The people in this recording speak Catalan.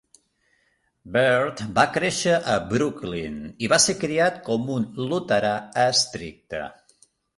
Baird va créixer a Brooklyn i va ser criat com un luterà estricte.